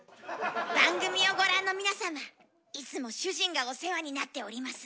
「番組をご覧の皆様いつも主人がお世話になっております。